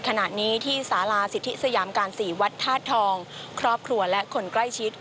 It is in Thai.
การสี่วรรษธาศธรครอบครัวและคนใกล้ชิ้น